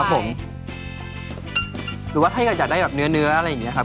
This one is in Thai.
หรือว่าถ้าเกิดอยากได้แบบเนื้ออะไรอย่างนี้ครับ